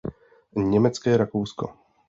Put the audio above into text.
Německé Rakousko.